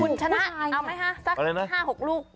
คุณชนะเอาไหมคะสัก๕๖ลูก